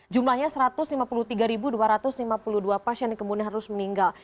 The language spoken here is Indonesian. jumlahnya satu ratus lima puluh tiga dua ratus lima puluh dua pasien yang kemudian harus meninggal